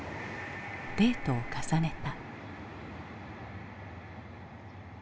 デートを重ねた。